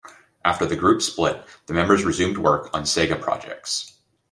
After the group split, the members resumed work on Sega projects.